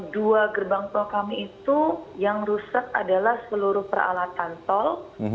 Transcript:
dua gerbang tol kami itu yang rusak adalah seluruh peralatan tol